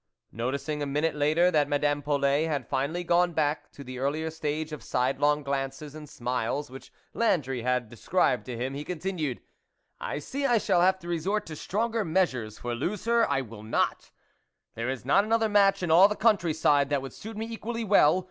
Noticing a minute later that Madame Polet had finally gone back to the earlier stage of side long glances and smiles which Landry had described to him, he continued, " I see I shall have to resort to stronger measures, for lose her I will not ; there is not another match in all the countryside that would suit me equally well.